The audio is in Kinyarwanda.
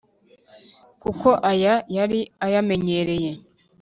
kuko aya yari ayamenyereye